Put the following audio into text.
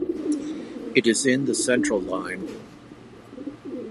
It is in the central line.